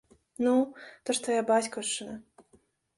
Ну, то ж твая бацькаўшчына.